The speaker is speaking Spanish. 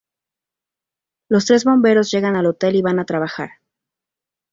Los tres bomberos llegan al hotel y van a trabajar.